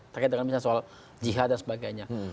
terkait dengan misalnya soal jihad dan sebagainya